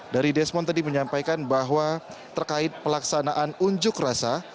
dari desmond tadi menyampaikan bahwa terkait pelaksanaan unjuk rasa